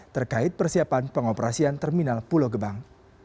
terkait persiapan pengoperasian terminal pulau gebang